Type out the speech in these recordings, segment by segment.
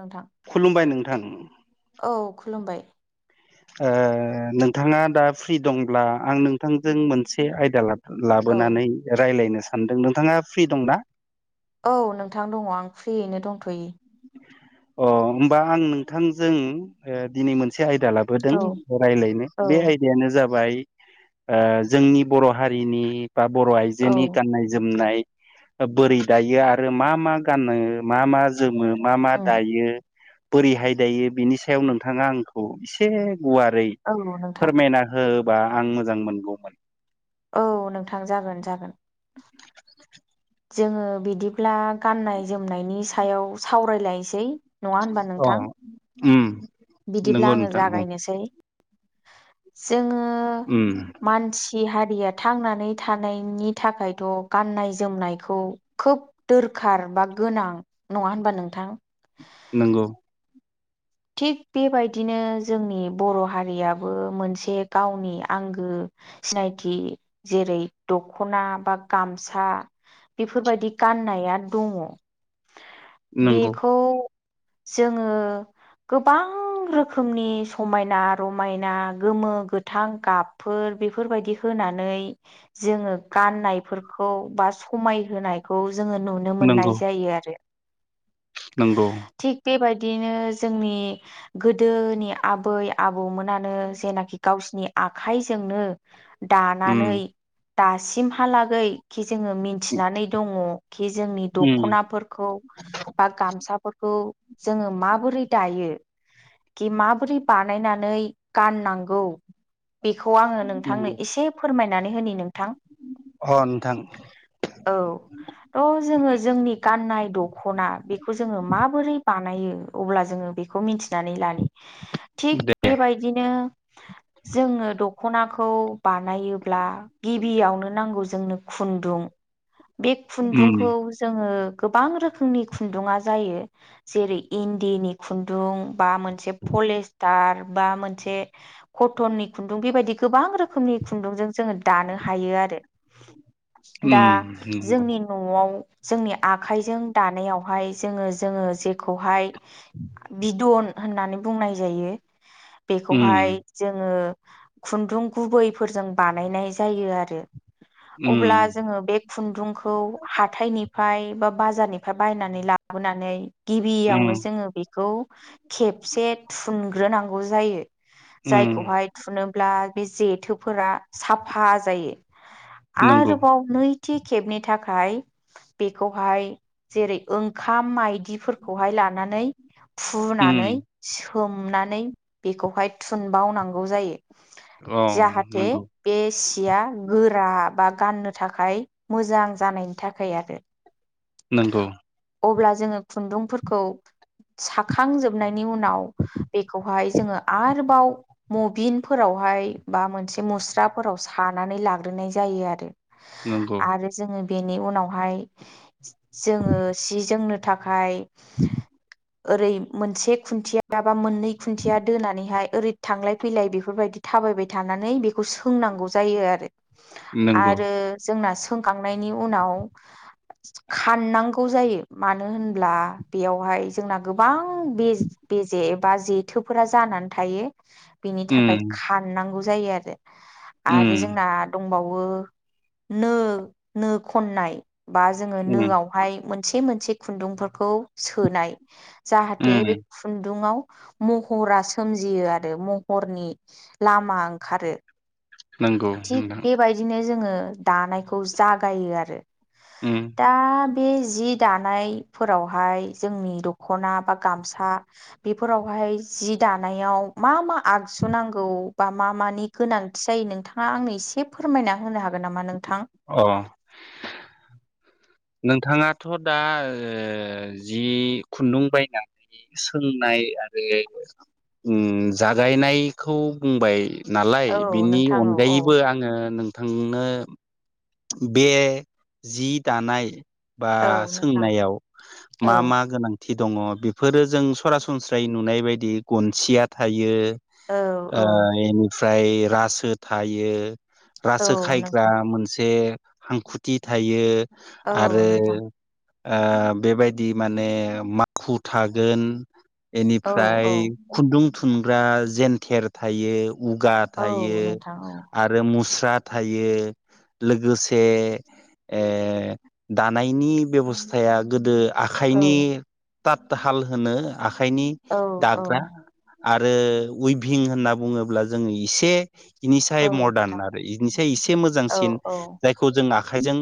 नोंथां खुलुमबाय नोंथां। औ खुलुमबाय ओ नोंथाङा दा फ्रि दंब्ला आं नोंथांजों मोनसे आयदा ला औ लाबोनानै रायलायनो सानदों नोंथाङा फ्रि दंना? औ नोंथां दङ आं फ्रियैनो दंथ'यो। अ होनबा आं नोंथांजों ओ दिनै मोनसे आयदा लाबोदों औ रायलायनो औ बे आयदायानो जाबाय बाय ओ जोंनि बर' हारिनि बा बर' औ आइजोनि गाननाय जोमनाय बोरै दायो आरो मा मा गानो मा मा जोमो मा मा उम दायो? बोरैहाय दायो बिनि सायाव नोंथाङा आंखौ एसे गुवारै औ नोंथां फोरमायना होबा आं मोजां मोनगौमोन। औ नोंथां जागोन जागोन। जोङो बिदिब्ला गाननाय जोमनायनि सायाव सावरायलायसै। अ उम्म। बिदिब्ला आंङो जागायनोसै जोङो ङो उम मानसि हारि रिया थांनानै थानायनि थाखायथ' गाननाय जोमनायखौ खोब दोरखार। बा गोनां नङा होनबा नोंथां? नंगौ। थिग बेबायदिनो जोंनि बर' हारियाबो मोनसे गावनि आंगो सिनायथि जेरै दख'ना बा गामसा बेफोरबायदि गाननाया दङ। नंगौ बेखौ जोङो गोबां रोखोमनि समायना रमायना गोमो गोथां गाबफोर बेफोरबायदि होनानै जोङो गाननायफोरखौ बा समाय होनायखौ जोङो नुनो नंगौ मोननाय जायो आरो। नंगौ। बिदिनो जोंनि गोदोनि आबै आबौमोनानो जेनाखि गावसिनि आखाइजोंनो उम दानानै दासिमहालागै जोङो मिथिनानै दङ खि जोंनि उम दखनाफोरखौ बा गामसाफोरखौ जोङो माबोरै दायो? कि माबोरै बानायनानै गाननांगौ? बेखौ आङो नंगौ नोंथांनो एसे फोरमायनानै होनि नोंथां थां औ थ' जोङो जोंनि गाननाय दख'ना बेखौ जोङो माबोरै बानाय नायो अब्ला जोङो बेखौ मिथिनानै लानि थिग दे बेबायदिनो जोङो दख'ना खौ बानायोब्ला गिबियावनो नांगौ जोंनो खुन्दुं बे उम खुन्दुंखौ जोङो गोबां रोखोमनि खुन्दुुङा जायो जेरै इन्दिनि खु न्दुं बा मोनसे पलिस्टार बा मोनसे कटननि खुन्दुं बेबायदि गोबां गोबां रोखोमनि खुन्दुंजों जोङो दानो हायो आरो दा उम नंगौ जोंनि न'आव जोंनि आखाइजों दानायावहाय जोङो जोङो जेखौहाय बिदन होननानै बुंनाय जायो उम बेखौहाय जोङो खुन्दुं गुबैफोरजों बानायनाय जायो आरो उम अब्ला जोङो बे खुन्दुंखौ हाथायनिफ्राय बा बाजारनिफ्राय बायनानै लाबोनानै उम गिबियावनो जोङो बे खौ खेबसे थुनग्रोनांगौ जायो उम जायखौहाय थुनो ब्ला बे जेथोफोरा साफा जायो नंगौ आरोबाव नै थि खेबनि थाखाय बेखौहाय जेरै ओंखाम माइ माइदिफोरखौहाय लानानै उम फुनानै होमनानै बेखौहाय थुनबावनांगौ जायो अ जाहाथे नंगौ बे सिया गोर गोरा बा गाननो थाखाय मोजां जानायनि थाखाय आरो नंगौ अब्ला जोङो खुन्दुंफोरखौ साखांजोबनायनि उनाव बेखौहाय जोङो आरोबाव मबिनफोरावहाय बा मोनसे मुस्राफोराव सानानै लाग्रोनाय जायो आरो नंगौ आरो जोङो बेनि उनावहाय जोङो सि जोंनो थाखाय [inaudible] ओरै मोनसे खुन्थिया बा मोननै खुन्थिया दोनानैहाय ओरै थांलाय फैलाय बेफोरबायदि थाबायबाय थानानै बेखौ सोंनांगौ जायो आरो नंगौ आरो जोंना सोंखांनायनि उनाव खाननांगौ जायो मानो होनब्ला बेयावहाय जोंना गोबां बे बेजे एबा जेथोफोरा जानानै थायो बेनि थाखाय उम खाननांगौ जायो आरो उम आरो जोंना दं दंबावो नो नो खननाय बा जोङो उम नोआवहाय मोनसे मोनसे खुन्दुंफोरखौ सोनाय जाहाथे उम बे खुन्दुङाव महरा सोमजियो आरो महरनि लामा ओंखारो नंगौ थिग होनदों बेबायदिनो जोङो दानायखौ जागायो आरो उम दा बे जि दानायफोरावहाय जोंनि दखना बा गामसा बेफोरावहाय ओमफ्राय जि दानायाव मा मा आगजु नांगौ बा मा मानि गोनांथि जायो नोंथां नोंथांआ आंनो एसे फोरमायना होनो हागोन नामा नों अ नोंथाङाथ' दा ओ जि खुन्दुं बायनानै सोंनाय आरो ओ जागायनायखौ बुंबाय नालाय औ बिनि नोंथां औ औ अनगायैबो आङो नोंथांनो बे जि दानाय बा औ नोंथां सोंनायाव औ मा मा गोनांथि दि दङ बेफोरो जों सरासनस्रायै नुनाय बायदि गनसिया थायो औ इनिफ्राय रासो थायो रासो औ खायग्रा नोंथां मोनसे हांखुथि थायो औ आरो नोंथां बेबायदि माने माखु थागोन औ बेनिफ्राय औ खुन्दुं थुनग्रा जेनथेर थायो उगा औ थायो नोंथां आरो मुस्रा थायो लोगोसे दानायनि बेब'स्थाया गोदो औ आखाइनि तात हाल होनो आखाइनि औ दाग्रा आरो उइभिं होनना बुङोब्ला जोङो एसे इनिसाय मदार्न नोंथां आरो इनिसाय एसे औ मोजांसिन जायखौ जों आ आखाइजों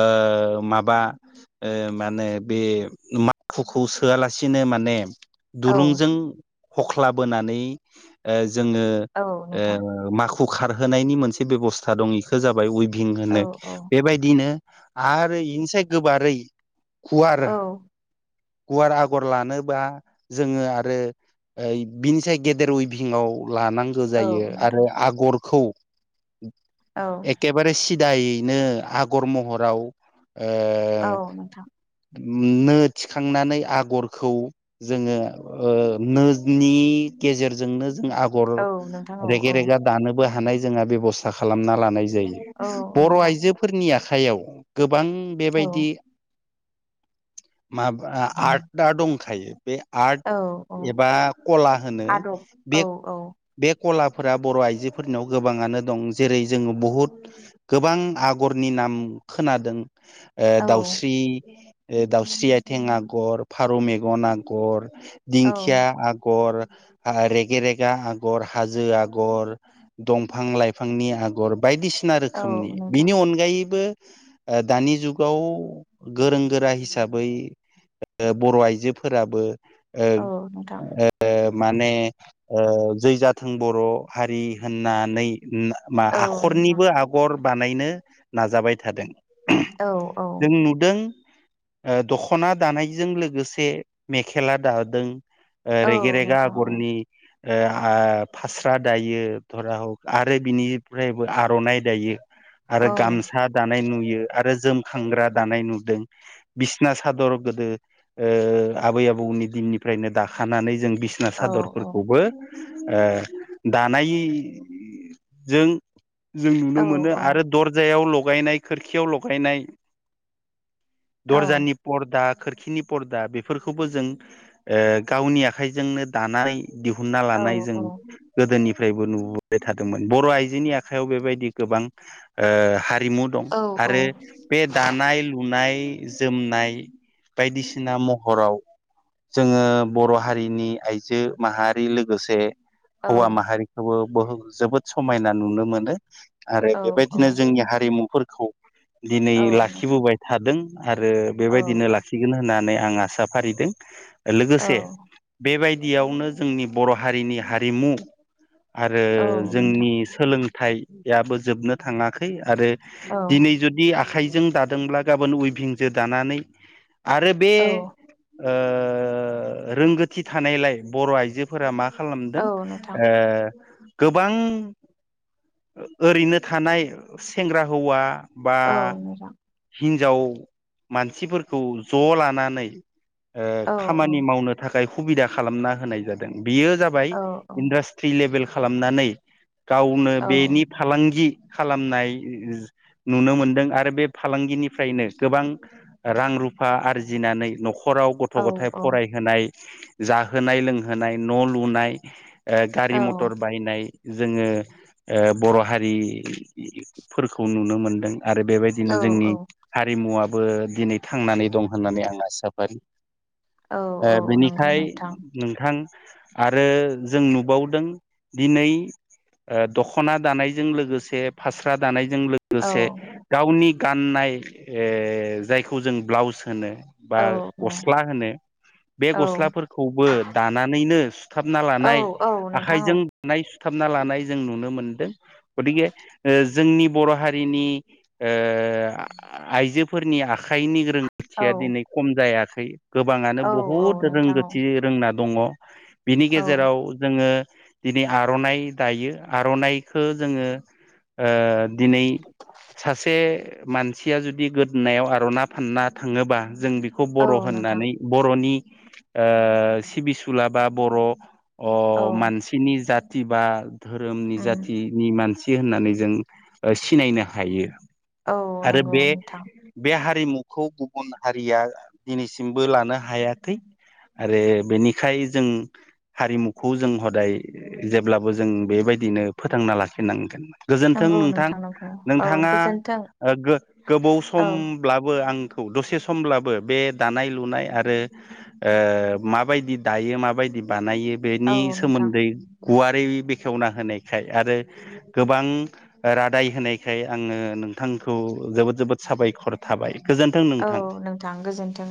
ओ माबा मा होनो बे माथुखौ सोआलासिनो माने औ औ दुरुंजों हख्लाबोनानै ओ जोङो नोंथां ओ माखु खारहोनायनि मोनसे बेबस्था दं बेखौ जाबाय उइ भिं औ होनो औ बेबायदिनो आरो बेनोसै गोबारै गुवार औ गुवार आगर लानोबा जोङो आरो बिनिस गेदेर उइभिंआव लानांगौ औ जायो नोंथां आरो आगरखौ औ एखेबारे सिदायैनो आगर महराव ओ औ नोंथां नो थिखांनानै आगरखौ जोङो ओ नोनि गेजेरजोंनो जों आगर औ नोंथां औ औ रेगे रेगा दानोबो हानाय जोंहा बेबस्था खालामना लानाय जायो औ बर नोंथां आइजोफोरनि आखाइयाव गोबां बेबायदि औ माबा आर्टआ दंखायो बे आर्ट औ औ एबा कला होनो आदब बे औ औ बे कलाफोरा बर आइजोफोरनियाव गोबाङनो दं जेरै जोङो बुहुद गोबां आगरनि ना नाम खोनादों ओ औ दाउस्रि दाउस्रि आथिं आगर फारौ मेगन आगर औ दिंखिया आगर रेगेरेगा आगर हाजो आगर दंफां लाइफांनि आगर बायदिसिना औ रोखोमनि नोंथां बिनि अनगायैबो ओ दानि जुगाव गोरों गोरा हिसाबै हिसाबै बर आइजोफोराबो ओ औ नोंथां माने ओ जै जाथों बर हारि होननानै मा औ नोंथां आखरनिबो आगर बानायनो नाजाबाय थादों औ औ जों नुदों दखना दानायजों लोगोसे मेखेला दादों औ रेग रेगा नोंथां औ आगरनि ओ आ फास्रा दायो धरा हक आरो बिनिफ्रायबो आरनाइ दायो आरो औ गामसा दानाय नुयो आरो जोमखांग्रा दानाय नुदों बिसना सादर गोदो ओ आबै आबौनि दिननिफ्रायनो दाखानानै जों बिसना औ सादरफोरखौबो ओ दानाय जों जों औ नुनो मोनो आरो दरजायाव लगायनाय खोरखियाव लगायनाय दर्जानि प्रदाक खोरखिनि पदा बेफोरखौबो जों ओ गावनि आखाइजोंनो दानाय दिहुनना औ लानाय जों औ गोदोनि बो नुबाय थादोंमोन बर आइजोनि आखायाव बेबायदि गोबां हारि हारिमु दं आरो बे दानाय लुनाय जोमनाय बायदिसिना महराव जोङो बर हारिनि आइजो माहारि लोगोसे हौवा माहारिखौबो ब जोबोद समायना नुनो मोनो आरो औ बेबायदिनो जोंनि हारिमुफोरखौ दिनै नोंथां लाखिबोबाय थादों आरो बेबायदिनो औ लाखिगोन होननानै आं आसा फारिदों औ लोगोसे बेबायदियावनो जोंनि बर हारिनि हारिमु आरो औ नोंथां जोंनि सोलोंथाइयाबो जोबनो थाङाखै आरो औ दिनै जुदि आखाइजों दादोंब्ला गाबोन उइभिंजो दानानै आरो बे औ ओ रोंगोथि थानायलाय, बर' आइजोफोरा मा औ खालामदों। नोंथां ओ गोबां ओरैनो थानाय सेंग्रा हौवा बा औ नोंथां हिन्जाव मानसिफोरखौ ज' लानानै, औ ओ औ खामानि मावनो था खाय खुबिदा खालामना होनाय जादों। बेयो जाबाय औ औ इन्दासत्रि लेभेल खालामनानै गावनो बेनि फालांगि खालामनाय नुनो मोनदों, आरो बे फालांगिनिफ्रायनो गोबां रां रुफा आरजिनानै न'खराव औ गथ' गथाय औ फरायहोनाय जाहोनाय लोंहोनाय न' लुनाय ओ गारि औ मथर बायनाय जोङो ओ बर' हारिफोरखौ नुनो मोनदों। आरो औ बेबायदिनो जोंनि औ हारिमुवाबो दिनै थांनानै दं होननानै आं आसा फारियो। औ ओ औ नंगौ बेनिखाय नोंथां नोंथां आरो जों नुबावदों दिनै ओ दख'ना दानायजों लोगोसे फास्रा दानाय जों औ लोगोसे गावनि गाननाय जायखौ जों ब्लाउस होनो बा औ औ गस्ला होनो बे औ गस्लाफोरखौबो दानानैनो सुथाबना औ लानाय, औ नोंथां औ आखाइजों बानाय सुथाबना लानाय जों नुनो मोन दों गतिखे जोंनि बर' हारिनि ओ आइजोफोरनि आखाइनि रोंगोथिया दिनै औ खम जायाखै गोबाङानो औ बुहुद औ नोंथां रोंगोथि रोंना दङ। बिनि औ गेजेराव जोङो दिनै आर'नाइ दायो। आर'नाइखौ जोङो ओ दिनै सासे मान सिया जुदि गोदोनायाव आर'ना फानना थाङोबा जों बेखौ औ बर' नोंथां होननानै बर'नि ओ सिबिसुला बा बर' औ मानसिनि जाथ थि बा, धोरोमनि उम जाथिनि मानसि होननानै जों सिनायनो हायो। औ आरो नंगौ बे नोंथां बे हा रिमुखौ गुबुन हारिया दिनैसिमबो लानो हायाखै। आरो बेनिखाय जों हारिमुखौ जों हदाय जेब्लाबो जों बेबायदिनो फोथांना लाखिनांगोन। गोजोन्थों नंगौ नोंथां, नंगौ औ नोंथाङा गोजोन्थों गोबाव औ समब्लाबो आं खौ दसे समब्लाबो बे दानाय लुनाय आरो ओ माबायदि दायो माबायदि बानायो औ बेनि नोंथां सोमोन्दै गुवारै बेखेवना होनायखाय आरो गोबां रादाय होनायखाय आङो नों थांखौ जोबोद जोबोद साबायखर थाबाय। गोजोन्थों नोंथां। औ नोंथां। गोजोन्थों।